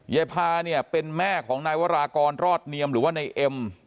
พาเนี่ยเป็นแม่ของนายวรากรรอดเนียมหรือว่านายเอ็ม